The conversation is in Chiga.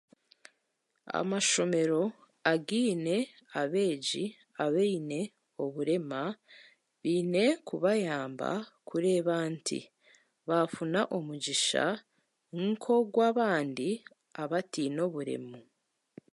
Amashomero againe abeegi abaine oburema gaine kubayamba kureeba nti baafuna omugisha nk'ogwabandi abataine oburemu